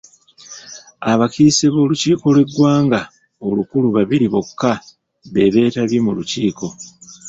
Abakiise b'olukiiko lw'eggwanga olukulu babiri bokka be beetabye mu lukiiko.